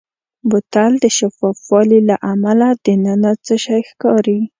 بوتل د شفاف والي له امله دننه څه شی ښکاري.